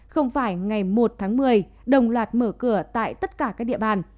không phải ngày một tháng một mươi đồng loạt mở cửa tại tất cả các địa bàn